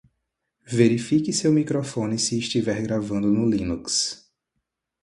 Verifique seu microfone se estiver gravando no Linux